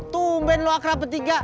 tumben lo akrab petiga